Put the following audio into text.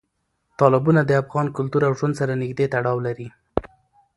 تالابونه د افغان کلتور او ژوند سره نږدې تړاو لري.